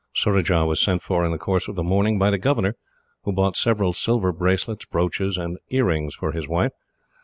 Surajah was sent for, in the course of the morning, by the governor; who bought several silver bracelets, brooches, and earrings for his wife.